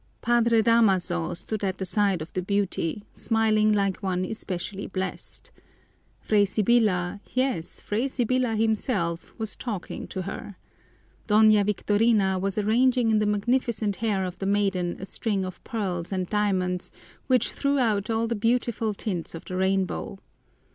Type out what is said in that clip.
Padre Damaso stood at the side of the beauty, smiling like one especially blessed. Fray Sibyla yes, Fray Sibyla himself was talking to her. Doña Victorina was arranging in the magnificent hair of the maiden a string of pearls and diamonds which threw out all the beautiful tints of the rainbow.